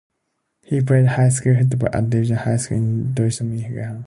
He played high school football at Davison High School in Davison, Michigan.